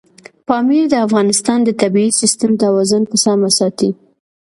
پامیر د افغانستان د طبعي سیسټم توازن په سمه ساتي.